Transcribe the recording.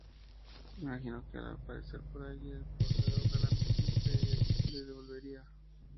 Imaginó que al aparecer por allí el poseedor de la misma se la devolvería.